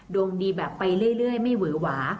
ดวงดีแบบไปเรื่อยไม่เวอหวา